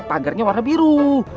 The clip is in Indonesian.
pagernya warna biru